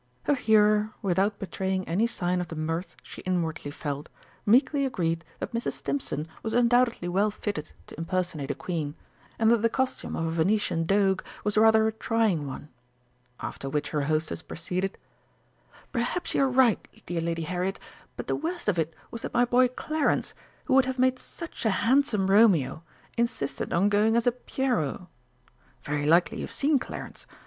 Her hearer, without betraying any sign of the mirth she inwardly felt, meekly agreed that Mrs. Stimpson was undoubtedly well fitted to impersonate a Queen, and that the costume of a Venetian Doge was rather a trying one, after which her hostess proceeded: "Perhaps you are right, dear Lady Harriet, but the worst of it was that my boy Clarence, who would have made such a handsome Romeo, insisted on going as a Pierrot! Very likely you have seen Clarence?...